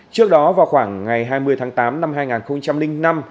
trước đó vào khoảng ngày hai mươi tháng tám năm hai nghìn năm